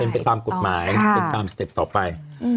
เป็นไปตามกฎหมายเป็นตามสเต็ปต่อไป